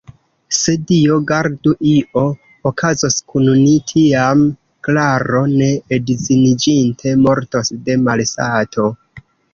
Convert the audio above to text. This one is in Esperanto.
Se, Dio gardu, io okazos kun ni, tiam Klaro, ne edziniĝinte, mortos de malsato!